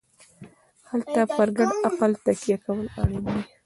هلته پر ګډ عقل تکیه کول اړین دي.